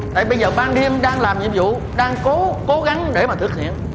tại bây giờ ban đêm đang làm nhiệm vụ đang cố gắng để mà thực hiện